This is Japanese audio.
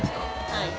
はい。